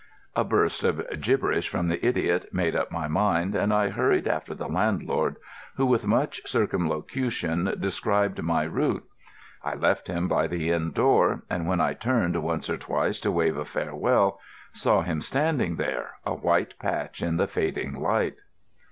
A burst of gibberish from the idiot made up my mind, and I hurried after the landlord, who with much circumlocution described my route. I left him by the inn door, and when I turned once or twice to wave a farewell, saw him still standing there, a white patch in the fading light.